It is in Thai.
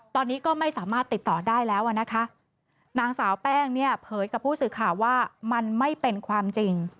ตอนนี้ก็ไม่สามารถติดต่อได้แล้วอ่ะนะคะนางสาวแป้งเนี่ยเผยกับผู้สื่อข่าวว่ามันไม่เป็นความจริง